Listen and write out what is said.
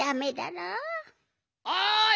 ・おい